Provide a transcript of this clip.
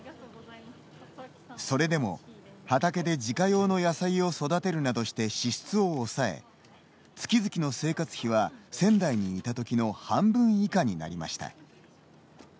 それでも、畑で自家用の野菜を育てるなどして支出を抑え月々の生活費は仙台にいた時の半分以下になりました。